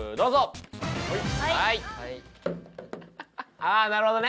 ああなるほどね。